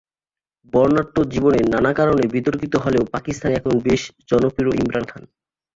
বর্ণাঢ্য জীবনে নানা কারণে বিতর্কিত হলেও পাকিস্তানে এখন বেশ জনপ্রিয় ইমরান খান।